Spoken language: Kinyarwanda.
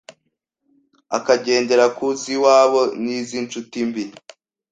akagendera ku z’iwabo n’iz’inshuti mbi